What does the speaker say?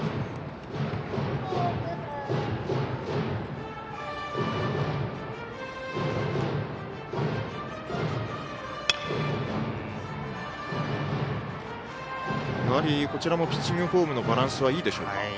やはり、こちらもピッチングフォームのバランスはいいでしょうか。